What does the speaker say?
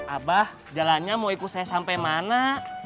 abah jalannya mau ikut saya sampai mana